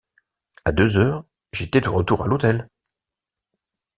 À deux heures, j’étais de retour à l’hôtel.